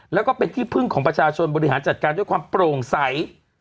แล้วก็เป็นที่พึ่งของประชาชนบริหารจัดการด้วยความโปร่งใส